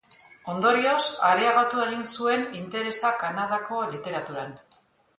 Ondorioz, areagotu egin zuen interesa Kanadako literaturan.